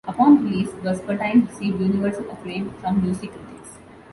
Upon release, "Vespertine" received universal acclaim from music critics.